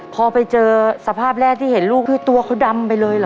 พอไปเจอสภาพแรกที่เห็นลูกนี่ตัวเขาดำไปเลยเหรอ